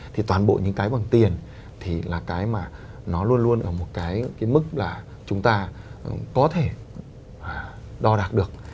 thì toàn bộ những cái bằng tiền thì là cái mà nó luôn luôn ở một cái mức là chúng ta có thể đo đạc được